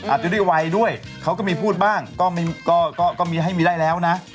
อาจจะด้วยวัยด้วยเขาก็มีพูดบ้างก็มีให้มีได้แล้วนะ